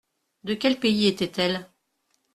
De quel pays était-elle ?